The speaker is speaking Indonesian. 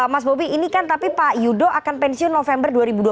mas bobi ini kan tapi pak yudo akan pensiun november dua ribu dua puluh